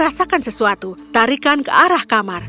dia merasakan sesuatu tarikan ke arah kamar